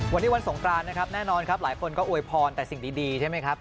วันนี้วันสงกรานนะครับแน่นอนครับหลายคนก็อวยพรแต่สิ่งดีใช่ไหมครับ